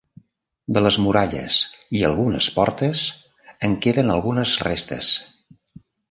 De les muralles i algunes portes en queden algunes restes.